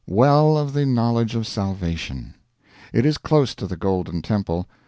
Well of the Knowledge of Salvation. It is close to the Golden Temple.